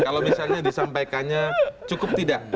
kalau misalnya disampaikannya cukup tidak